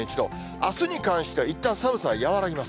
あすに関しては、いったん寒さは和らぎます。